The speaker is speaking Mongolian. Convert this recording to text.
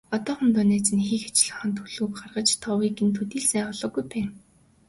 Одоохондоо найз нь хийх ажлынхаа төлөвлөгөөг гаргаж, товыг төдий л сайн олоогүй байна.